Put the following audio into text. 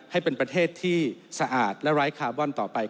ให้เป็นประเทศที่สะอาดและไร้คาร์บอนต่อไป